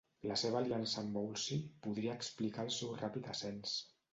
La seva aliança amb Wolsey podria explicar el seu ràpid ascens.